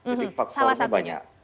jadi faktornya banyak